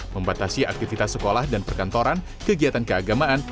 membatasi aktivitas sekolah dan perkantoran kegiatan keagamaan